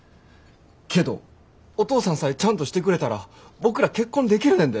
けどお父さんさえちゃんとしてくれたら僕ら結婚できるねんで。